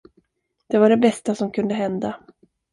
Det var det bästa, som kunde hända.